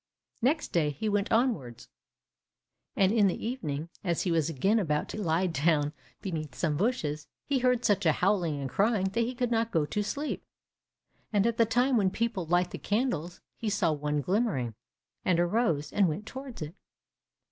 Next day he went onwards, and in the evening, as he was again about to lie down beneath some bushes, he heard such a howling and crying that he could not go to sleep. And at the time when people light the candles, he saw one glimmering, and arose and went towards it.